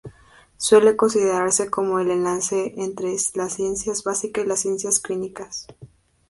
Suele considerarse como el enlace entre las ciencias básicas y las ciencias clínicas.